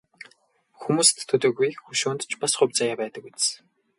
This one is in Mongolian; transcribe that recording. Хүмүүст төдийгүй хөшөөнд ч бас хувь заяа байдаг биз.